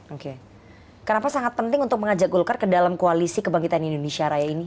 oke kenapa sangat penting untuk mengajak golkar ke dalam koalisi kebangkitan indonesia raya ini